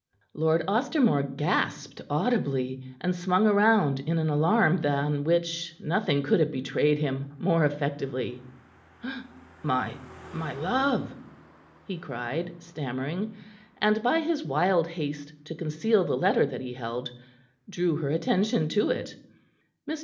Lord Ostermore gasped audibly and swung round in an alarm than which nothing could have betrayed him more effectively. "My my love!" he cried, stammering, and by his wild haste to conceal the letter that he held, drew her attention to it. Mr.